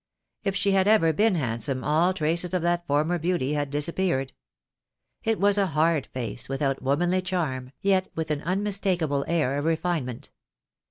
If she had ever been handsome all traces of that former beauty had disappeared. It was a hard face, without womanly charm, yet with an unmistakable air of refinement.